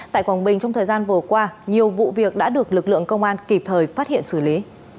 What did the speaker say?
tại quảng bình trong thời gian vừa qua nhiều vụ việc đã được lực lượng công an kịp thời phát hiện xử lý